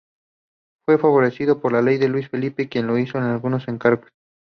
Fue favorecido por el rey Luis Felipe, quien le hizo algunos encargos.